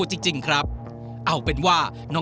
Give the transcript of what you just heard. ค่อยสอนเราอะไรเราก็พัฒนาขึ้นมาครับ